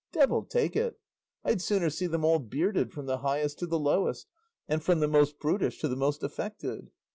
Devil take it! I'd sooner see them all bearded, from the highest to the lowest, and from the most prudish to the most affected."